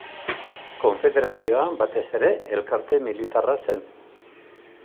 Konfederazioa, batez ere, elkarte militarra zen.